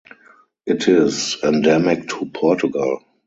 It is endemic to Portugal.